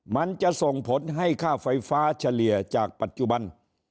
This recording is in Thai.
มันจะส่งผลให้ค่าไฟฟ้าเฉลี่ยจากปัจจุบัน